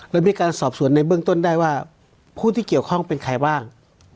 แล้วมีการสอบสวนในเบื้องต้นได้ว่าผู้ที่เกี่ยวข้องเป็นใครบ้าง